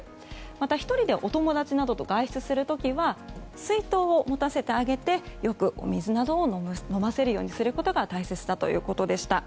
また、１人でお友達などと外出する時は水筒を持たせてあげてよくお水などを飲ませることが大切だということでした。